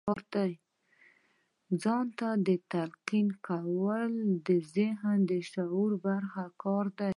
ځان ته تلقين کول د ذهن د شعوري برخې کار دی.